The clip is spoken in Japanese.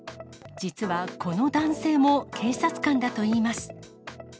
実はこの男性も警察官だといいます。